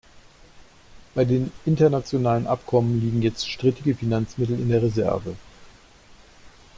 Bei den internationalen Abkommen liegen jetzt strittige Finanzmittel in der Reserve.